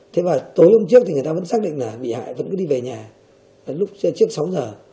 thế và tối hôm trước thì người ta vẫn xác định là bị hại vẫn cứ đi về nhà lúc trước sáu giờ